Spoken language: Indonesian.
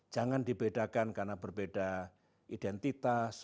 jangan dibedakan karena berbeda identitas